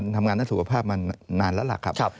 ทำงานด้านสุขภาพมานานแล้วล่ะครับ